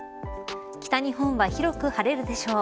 北日本は広く晴れるでしょう。